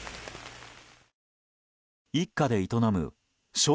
一家で営む笑